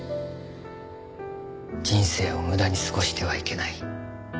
人生を無駄に過ごしてはいけない。